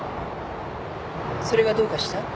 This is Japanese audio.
それがどうかした？